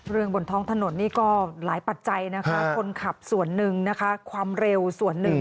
บนท้องถนนนี่ก็หลายปัจจัยนะคะคนขับส่วนหนึ่งนะคะความเร็วส่วนหนึ่ง